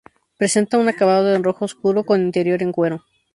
Presenta un acabado en rojo oscuro con interior en cuero.